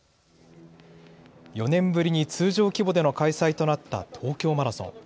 ４年ぶりに通常規模での開催となった東京マラソン。